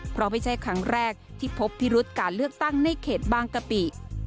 เพราะไม่ใช่ครั้งแรกที่พบพิรุษการเลือกตั้งในเขตบางกะปิ